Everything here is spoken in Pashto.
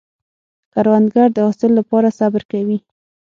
کروندګر د حاصل له پاره صبر کوي